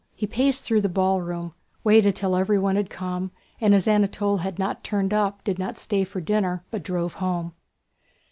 He paced through the ballroom, waited till everyone had come, and as Anatole had not turned up did not stay for dinner but drove home.